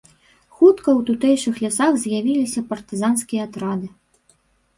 Хутка ў тутэйшых лясах з'явіліся партызанскія атрады.